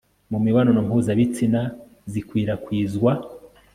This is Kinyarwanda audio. mu mibonano mpuzabitsina zikwirakwizwa